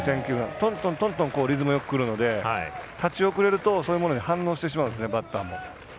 リズムよくくるので立ち遅れるとそういうものに反応してしまうんですねバッターも。